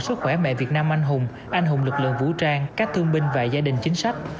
sức khỏe mẹ việt nam anh hùng anh hùng lực lượng vũ trang các thương binh và gia đình chính sách